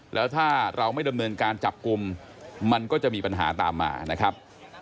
แล้วถ้าเราไม่ดำเนินการจับกลุ่มมันก็จะมีปัญหาตามมานะครับ